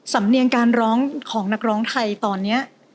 สำเนียงการร้องของนักร้องไทยตอนนี้